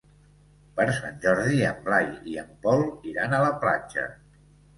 Per Sant Jordi en Blai i en Pol iran a la platja.